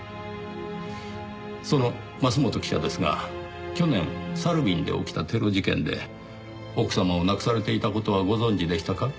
その桝本記者ですが去年サルウィンで起きたテロ事件で奥様を亡くされていた事はご存じでしたか？